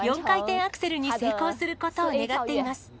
４回転アクセルに成功することを願っています。